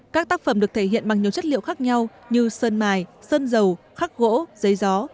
các tác phẩm được thể hiện bằng nhiều chất liệu khác nhau như sơn mài sơn dầu khắc gỗ giấy gió